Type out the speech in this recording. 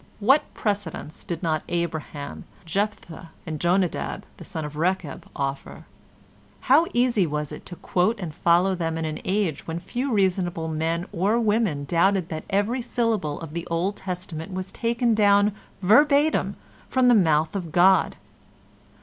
What precedents did not Abraham, Jephthah and Jonadab the son of Rechab offer? How easy was it to quote and follow them in an age when few reasonable men or women doubted that every syllable of the Old Testament was taken down verbatim from the mouth of God.